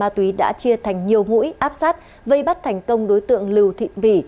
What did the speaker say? ma túy đã chia thành nhiều ngũi áp sát vây bắt thành công đối tượng lưu thịnh bỉ